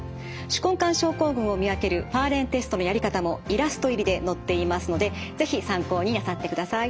手根管症候群を見分けるファーレンテストのやり方もイラスト入りで載っていますので是非参考になさってください。